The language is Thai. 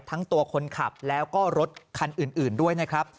ทั้งตัวคนขับแล้วก็รถคันอื่นด้วยนะครับ